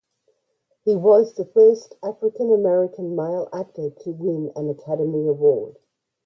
He was the first African-American male actor to win an Academy Award.